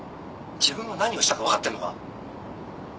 自分が何をしたか分かってんのか？